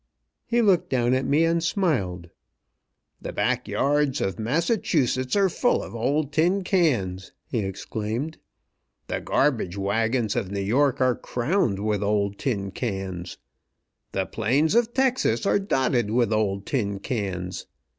He looked down at me, and smiled. "The back yards of Massachusetts are full of old tin cans," he exclaimed. "The gar bage wagons of New York are crowned with old tin cans. The plains of Texas are dotted with old tin cans.